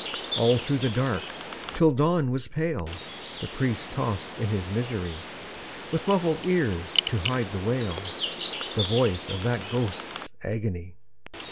All through the dark, till dawn was pale, The priest tossed in his misery, With muffled ears to hide the wail, The voice of that ghost's agony.